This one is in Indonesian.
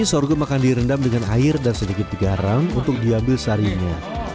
sorghum itu sudah keluar sendiri fermentasinya